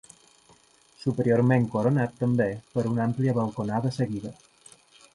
Superiorment coronat també per una àmplia balconada seguida.